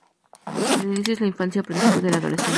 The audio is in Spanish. El inicio es en la infancia o principios de la adolescencia.